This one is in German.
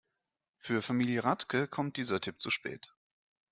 Für Familie Radke kommt dieser Tipp zu spät.